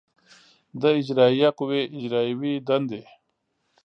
د اجرایه قوې اجرایوې دندې